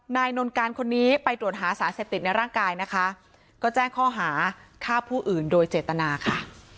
นายนนการคนนี้ไปตรวจหาสารเสพติดในร่างกายนะคะก็แจ้งข้อหาฆ่าผู้อื่นโดยเจตนาค่ะ